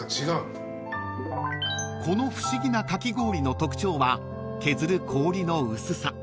［この不思議なかき氷の特徴は削る氷の薄さ］